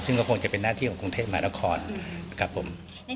ซึ่งก็คงจะเป็นหน้าที่ของกรุงเทพมหานครครับผม